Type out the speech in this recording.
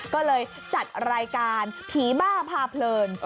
ก็เลยจัดรายการผีบ้าพาเพลิน